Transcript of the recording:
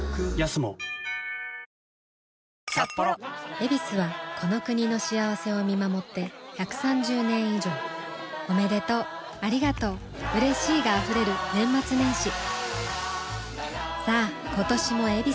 「ヱビス」はこの国の幸せを見守って１３０年以上おめでとうありがとううれしいが溢れる年末年始さあ今年も「ヱビス」で